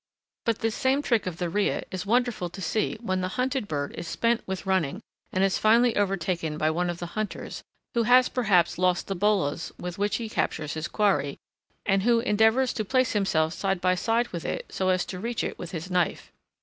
But this same trick of the rhea is wonderful to see when the hunted bird is spent with running and is finally overtaken by one of the hunters who has perhaps lost the bolas with which he captures his quarry, and who endeavours to place himself side by side with it so as to reach it with his knife.